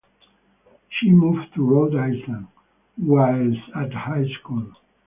She moved to Rhode Island whilst at high school.